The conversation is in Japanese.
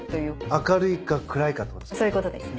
明るいか暗いかってことですか？